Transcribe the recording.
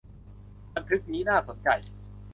บันทึกนี้น่าสนใจ